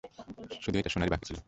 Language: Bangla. শুধু এটা শুনারই বাকি ছিলো।